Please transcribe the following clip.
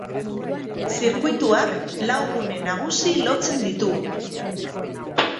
Zirkuituak lau gune nagusi lotzen ditu.